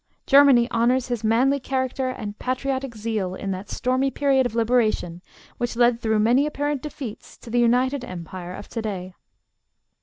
Germany honors his manly character and patriotic zeal in that stormy period of Liberation which led through many apparent defeats to the united Empire of to day.